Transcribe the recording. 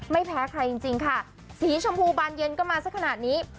ไม่แพ้ใครจริงค่ะสีชมพูบานเย็นก็มาสักขนาดนี้